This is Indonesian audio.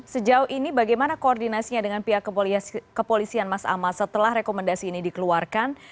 sejauh ini bagaimana koordinasinya dengan pihak kepolisian mas amal setelah rekomendasi ini dikeluarkan